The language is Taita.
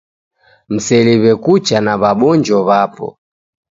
Mseliw'e kucha na w'abonjo w'apo.